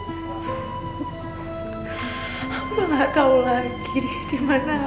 jadi siapa yang mau hidup ini bisa kak